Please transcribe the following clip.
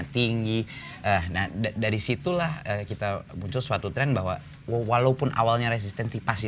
tinggi nah dari situlah kita muncul suatu tren bahwa walaupun awalnya resistensi pasti